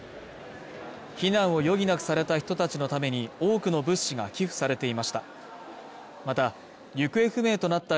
避難を余儀なくされた人たちのために多くの物資が寄付されていました